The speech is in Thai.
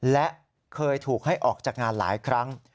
และเคยถูกให้ออกจากงานหลายครั้ง